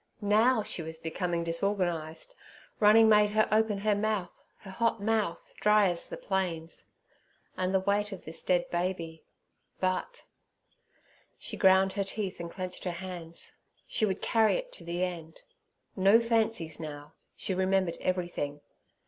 Now! She was becoming disorganized; running made her open her mouth—her hot mouth, dry as the plains. And the weight of this dead baby, but—she ground her teeth and clenched her hands—she would carry it to the end. No fancies now; she remembered everything.